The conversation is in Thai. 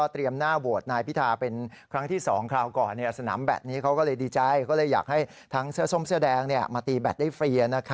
เสียส้มเสียแดงมาตีแบตได้ฟรี